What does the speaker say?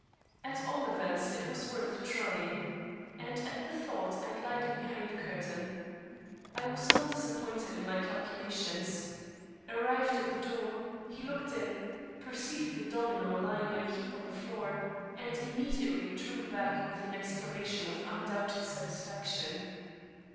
At all events it was worth trying, and at the thought I glided behind the curtain. I was not disappointed in my calculations. Arrived at the door, he looked in, perceived the domino lying in a heap on the floor, and immediately drew back with an exclamation of undoubted satisfaction.